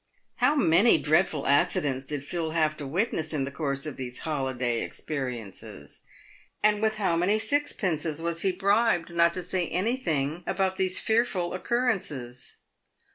How many dreadful accidents did Phil have to witness in the course of these holiday experiences ! And with how many sixpences was he bribed not to say anything about these fearful occurrences!